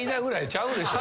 ちゃうでしょ。